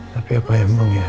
tapi apa yang mau ya